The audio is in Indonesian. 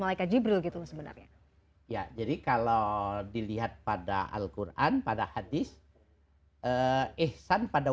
malaikat jibril gitu sebenarnya ya jadi kalau dilihat pada alquran pada hadits ihsan pada